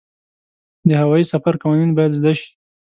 د هوايي سفر قوانین باید زده شي.